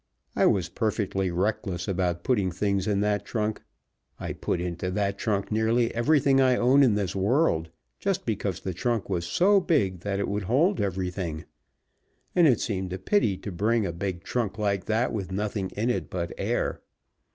I was perfectly reckless about putting things in that trunk. I put into that trunk nearly everything I own in this world, just because the trunk was so big that it would hold everything, and it seemed a pity to bring a big trunk like that with nothing in it but air.